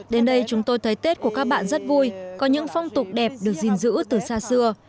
đến đây chúng tôi thấy tết của các bạn rất vui có những phong tục đẹp được gìn giữ từ xa xưa